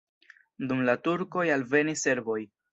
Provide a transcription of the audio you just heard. Dum la turkoj alvenis serboj.